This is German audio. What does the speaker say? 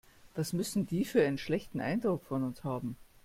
Was müssen die für einen schlechten Eindruck von uns haben.